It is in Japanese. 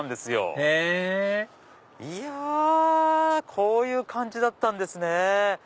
へぇいやこういう感じだったんですね。